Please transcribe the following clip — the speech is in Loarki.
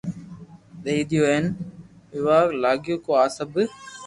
ديديو ھين يوا لگيو ڪو آ سب